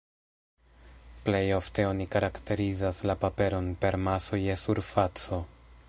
Plej ofte oni karakterizas la paperon per maso je surfaco.